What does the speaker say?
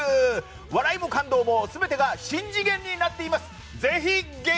笑いも感動も全てがしん次元になっています。